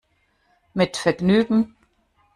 Mit Vergnügen!